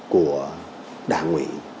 của đảng ủy